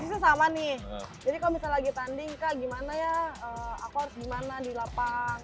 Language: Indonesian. di situ sama nih jadi kalau misalnya lagi tanding kak gimana ya aku harus gimana di lapang